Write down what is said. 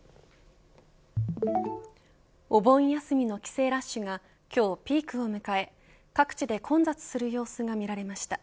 お盆休みの帰省ラッシュが今日ピークを迎え各地で混雑する様子が見られました。